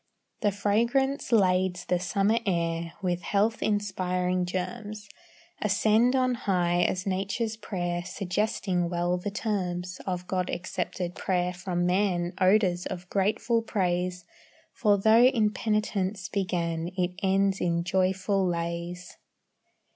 The fragrance lades the summer air With health inspiring germs, Ascend on high as nature's prayer, Suggesting well the terms Of God accepted prayer from man, Odors of grateful praise; For though in penitence began, It ends in joyful lays.